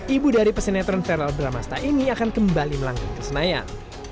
ibu dari pesenetron feral bramasta ini akan kembali melanggang kesenayan